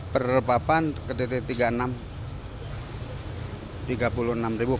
perlepapan ke titik tiga puluh enam